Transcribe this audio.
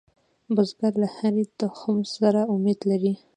بزګر له هرې تخم سره امید لري